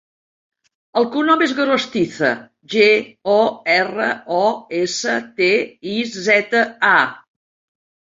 El cognom és Gorostiza: ge, o, erra, o, essa, te, i, zeta, a.